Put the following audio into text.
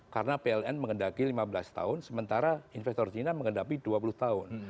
karena pln mengendaki lima belas tahun sementara investor china mengendaki dua puluh tahun